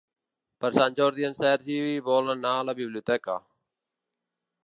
Per Sant Jordi en Sergi vol anar a la biblioteca.